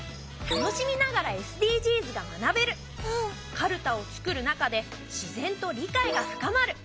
かるたをつくる中で自然と理解が深まる。